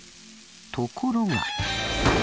ところが。